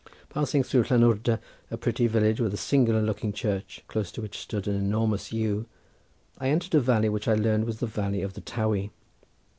Passing through Llanwrda, a pretty village with a singular looking church, close to which stood an enormous yew, I entered a valley which I learned was the valley of the Towey.